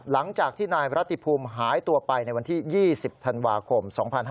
หลังจากที่นายรัติภูมิหายตัวไปในวันที่๒๐ธันวาคม๒๕๕๙